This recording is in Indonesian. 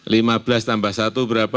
lima belas tambah satu berapa